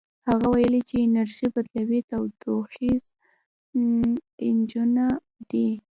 هغه وسیلې چې انرژي بدلوي تودوخیز انجنونه دي.